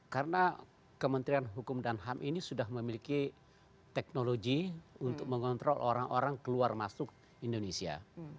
karena kementerian hukum dan ham ini sudah memiliki teknologi untuk mengontrol orang orang keluar masuk indonesia